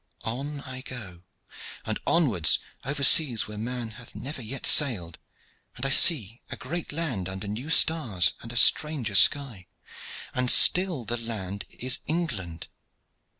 On I go, and onwards over seas where man hath never yet sailed, and I see a great land under new stars and a stranger sky, and still the land is England.